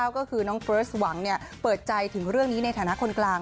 ก็คือน้องเฟิร์สหวังเปิดใจถึงเรื่องนี้ในฐานะคนกลาง